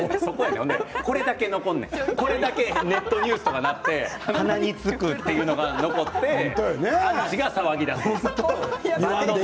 これだけがネットニュースになって、鼻につくというのが残って騒ぎだす。